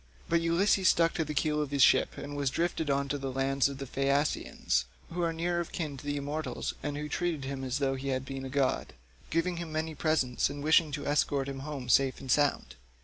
But Ulysses stuck to the keel of the ship and was drifted on to the land of the Phaeacians, who are near of kin to the immortals, and who treated him as though he had been a god, giving him many presents, and wishing to escort him home safe and sound.